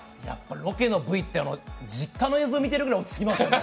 ロケのＶってのは実家の映像見てるぐらい落ち着きますよね。